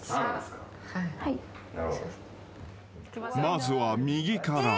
［まずは右から］